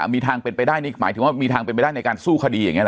มีทางเป็นไปได้นี่หมายถึงว่ามีทางเป็นไปได้ในการสู้คดีอย่างนี้นะ